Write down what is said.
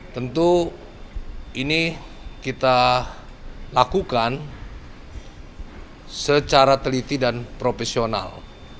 tentu ini kita lakukan secara teliti dan profesional